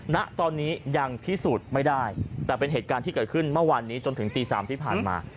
ณตอนนี้ยังพิสูจน์ไม่ได้แต่เป็นเหตุการณ์ที่เกิดขึ้นเมื่อวานนี้จนถึงตี๓ที่ผ่านมา